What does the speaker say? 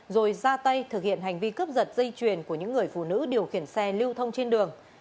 rồi ra tay thực hiện hành vi cướp giật dây chuyền của những người phụ nữ điều khiển xe lưu thông trên đường